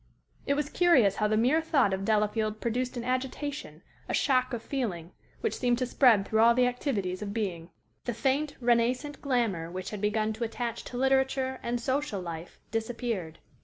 It was curious how the mere thought of Delafield produced an agitation, a shock of feeling, which seemed to spread through all the activities of being. The faint, renascent glamour which had begun to attach to literature and social life disappeared.